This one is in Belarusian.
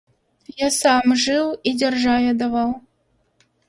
Я сам жыў і дзяржаве даваў.